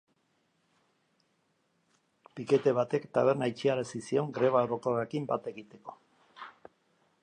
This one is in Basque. Pikete batek taberna itxiarazi zion greba orokorrarekin bat egiteko.